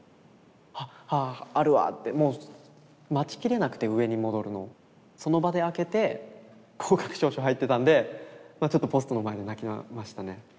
「あっあああるわ」ってもう待ちきれなくて上に戻るのその場で開けて合格証書入ってたんでまあちょっとポストの前で泣きましたね。